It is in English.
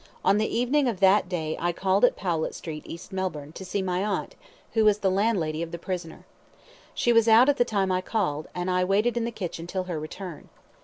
On the evening of that day I called at Powlett Street East Melbourne, to see my aunt, who is the landlady of the prisoner. She was out at the time I called, and I waited in the kitchen till her return.